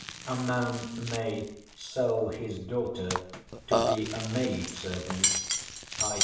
A man may "sell his daughter to be a maidservant" i.